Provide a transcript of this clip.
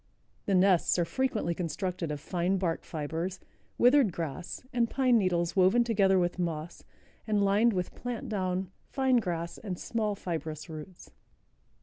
The nests are frequently constructed of fine bark fibers, withered grass and pine needles woven together with moss and lined with plant down, fine grass and small, fibrous roots.